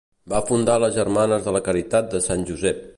Va fundar les Germanes de la Caritat de Sant Josep.